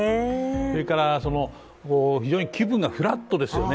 それから、非常に気分がフラットですよね。